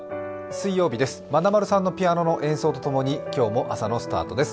水曜日です、まなまるさんのピアノの演奏とともに今日も朝のスタートです。